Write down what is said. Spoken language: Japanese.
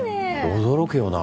驚くよな。